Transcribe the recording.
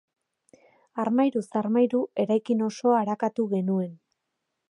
Armairuz armairu eraikin osoa arakatu genuen.